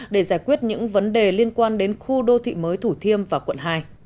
để giải quyết những vấn đề liên quan đến khu đô thị mới thủ thiêm và quận hai